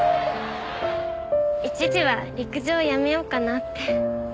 一時は陸上をやめようかなって。